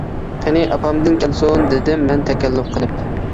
-قېنى ئاپامدىن كەلسۇن-دېدىم مەن تەكەللۇپ قىلىپ.